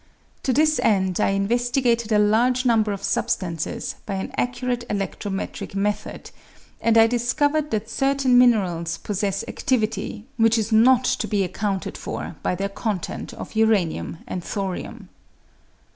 To this end I in vestigated a large number of substances by an accurate eledrometric method, and I discovered that certain minerals possess adivity which is not to be accounted for by their content of uranium and thorium.